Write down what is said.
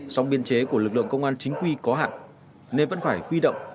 sống biên chế của lực lượng công an chính quy có hẳn nên vẫn phải huy động